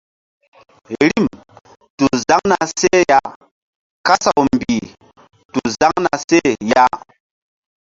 Rim tu zaŋ na seh ya kasaw mbih tu zaŋ na seh ya.